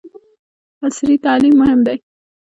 عصري تعلیم مهم دی ځکه چې د هدف ټاکلو مهارتونه ښيي.